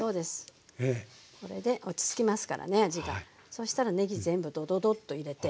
そうしたらねぎ全部どどどっと入れて。